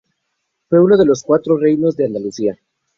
Fue uno de los cuatro reinos de Andalucía.